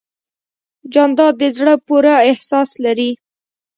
جانداد د زړه پوره احساس لري.